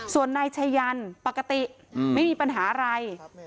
ส่วนนายชายันปกติไม่มีปัญหาอะไร